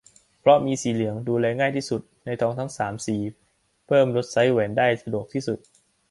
เพราะมีสีเหลือง ดูแลง่ายที่สุดในทองทั้ง สาม สี เพิ่มลดไซซ์แหวนได้สะดวกที่สุด